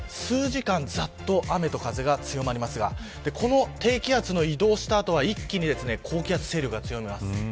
数時間ざっと雨と風が強まりますがこの低気圧の移動した後は一気に高気圧の勢力が強まります。